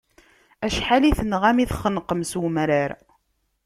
Acḥal i tenɣam, i txenqem s umrar.